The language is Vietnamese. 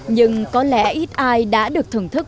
nhưng có lẽ ít ai đã được thưởng thức